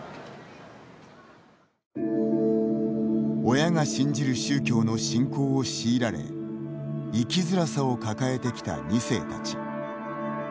親が信じる宗教の信仰を強いられ生きづらさを抱えてきた２世たち。